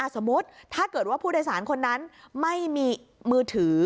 สมมุติถ้าเกิดว่าผู้โดยสารคนนั้นไม่มีมือถือ